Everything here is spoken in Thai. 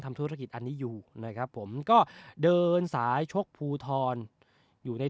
ธุรกิจอันนี้อยู่นะครับผมก็เดินสายชกภูทรอยู่ใน